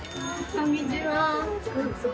こんにちは。